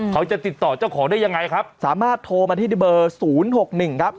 เขาจะติดต่อเจ้าของได้ยังไงครับสามารถโทรมาที่เบอร์๐๖๑ครับ